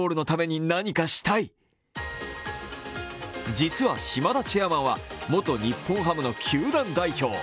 実は島田チェアマンは元日本ハムの球団代表。